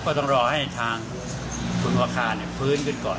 ก็ต้องรอให้ทางผู้ภาคาเนี่ยพื้นขึ้นก่อน